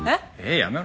やめろ。